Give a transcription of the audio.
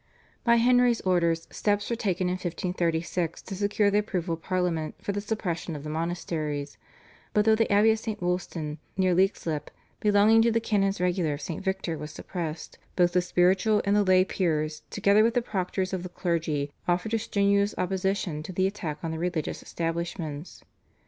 By Henry's orders steps were taken in 1536 to secure the approval of Parliament for the suppression of the monasteries, but though the Abbey of St. Wolstan near Leixlip, belonging to the Canons Regular of St. Victor was suppressed, both the spiritual and the lay peers together with the proctors of the clergy offered a strenuous opposition to the attack on the religious establishments.